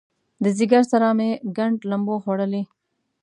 د ځیګر سره مې ګنډ لمبو خوړلی